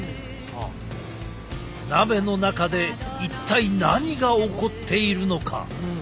鍋の中で一体何が起こっているのか？